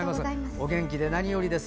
お元気でなによりです。